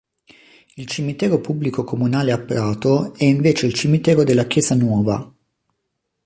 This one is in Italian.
Il cimitero pubblico comunale a Prato è invece il cimitero della Chiesanuova.